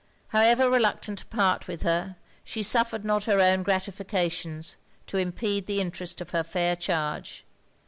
However reluctant to part with her, she suffered not her own gratifications to impede the interest of her fair charge.